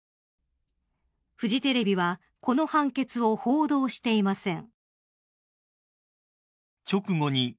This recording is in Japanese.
フジテレビはこの判決を報道していません。